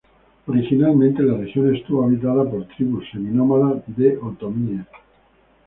Originalmente la región estuvo habitada por tribus seminómadas de otomíes.